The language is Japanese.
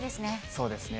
そうですね。